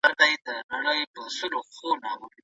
زه پښتون يم ته ښايسته يې دا پوره ده